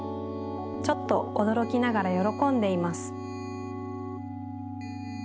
ちょっとおどろきながらよろこんでいます。